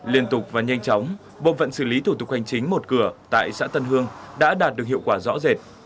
liên tục và nhanh chóng bộ phận xử lý thủ tục hành chính một cửa tại xã tân hương đã đạt được hiệu quả rõ rệt